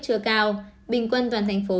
chưa cao bình quân toàn thành phố